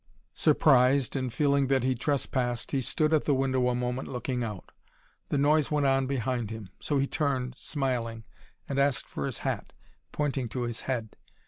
Surprised, and feeling that he trespassed, he stood at the window a moment looking out. The noise went on behind him. So he turned, smiling, and asked for his hat, pointing to his head.